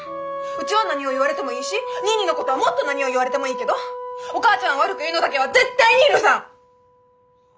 うちは何を言われてもいいしニーニーのことはもっと何を言われてもいいけどお母ちゃんを悪く言うのだけは絶対に許さん！